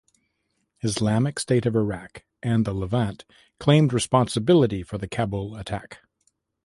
Islamic State of Iraq and the Levant claimed responsibility for the Kabul attack.